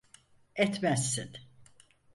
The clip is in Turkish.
Etmezsin.